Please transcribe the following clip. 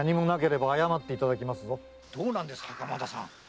どうなんです袴田さん